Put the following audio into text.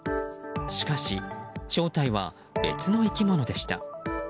しかし、正体は別の生き物でした。